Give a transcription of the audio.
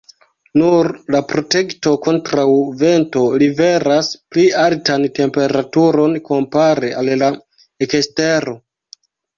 Nur la protekto kontraŭ vento „liveras“ pli altan temperaturon kompare al la ekstero.